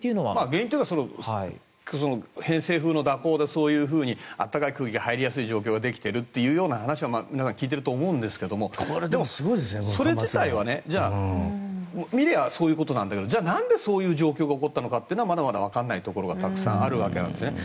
原因というか偏西風の蛇行でそういうふうに暖かい空気が入りやすい状況が入っているというような話は皆さん聞いていると思うんですがそれ自体は見ればそういうことなんだけどじゃあ、なんでそういう状況が起こったのかってことはまだまだわからないところがたくさんあるわけなんですね。